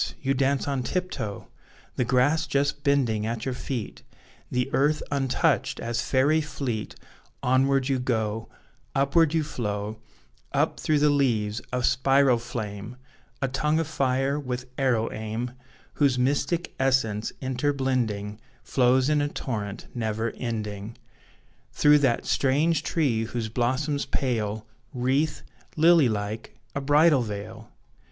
You dance on tiptoe! The grass just bending at your feet, The earth untouched, as fairy fleet Onward you go, Upward you flow, Up through the leaves, a spiral flame, A tongue of fire, with arrow aim, Whose mystic essence inter blending Flows in a torrent never ending; Through that strange tree whose blossoms pale Wreathe, lily like, a bridal veil!